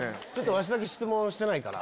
わしだけ質問してないから。